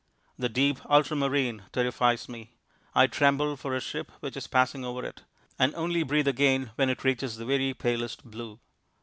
The deep ultramarine terrifies me. I tremble for a ship which is passing over it, and only breathe again when it reaches the very palest blue.